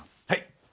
はい。